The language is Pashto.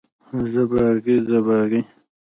زه باغي، زه باغي.